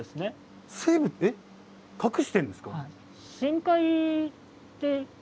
生物えっ隠してんですか？